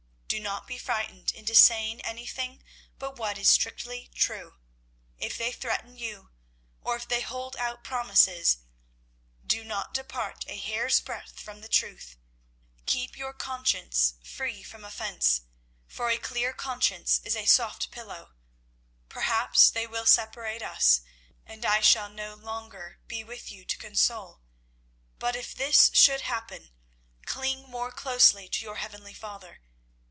Do not be frightened into saying anything but what is strictly true. If they threaten you, or if they hold out promises, do not depart a hair's breadth from the truth. Keep your conscience free from offence, for a clear conscience is a soft pillow. Perhaps they will separate us, and I shall no longer be with you to console; but if this should happen cling more closely to your heavenly Father.